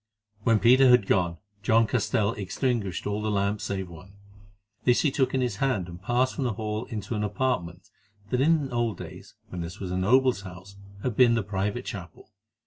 When Peter had gone, John Castell extinguished all the lamps save one. This he took in his hand and passed from the hall into an apartment that in old days, when this was a noble's house, had been the private chapel.